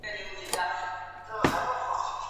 که وخت وي، د کتابتون د کار مرسته کوم!.